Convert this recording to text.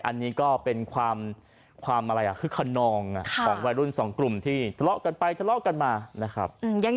อันนี้ก็เป็นความอะไรคึกขนองของวัยรุ่นสองกลุ่มที่ทะเลาะกันไปทะเลาะกันมานะครับ